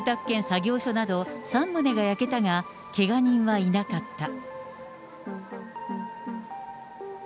作業所など３棟が焼けたが、けが人はいなかった。